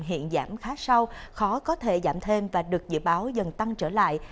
hiện giảm khá sâu khó có thể giảm thêm và được dự báo dần tăng trở lại